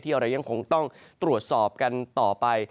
ที่ยังต้องตรวจสอบกันต่อไป